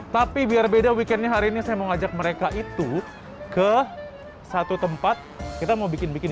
tapi biar beda weekendnya hari ini saya mau ajak mereka itu ke satu tempat kita mau bikin bikin